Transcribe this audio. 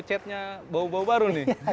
chatnya bau bau baru nih